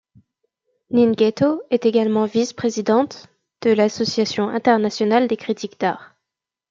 Ninghetto est également vice-présidente de l'association internationale des critiques d'art.